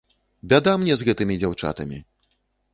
Бяда мне з гэтымі дзяўчатамі!